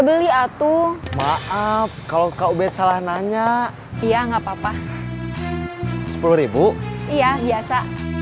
beli atuh maaf kalau kau bet salah nanya iya nggak papa sepuluh iya biasa